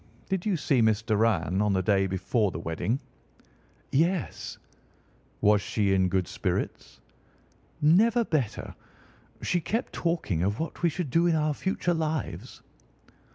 Did you see Miss Doran on the day before the wedding?" "Yes." "Was she in good spirits?" "Never better. She kept talking of what we should do in our future lives."